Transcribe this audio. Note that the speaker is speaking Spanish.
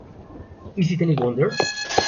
Is It Any Wonder?